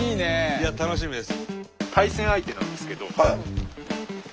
いや楽しみです。